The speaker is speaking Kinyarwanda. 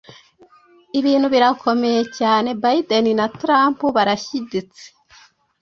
Ibintu birakomeye cyane. Biden na Trump barashyiditse,